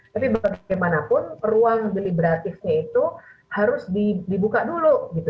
tapi bagaimanapun ruang deliberatifnya itu harus dibuka dulu gitu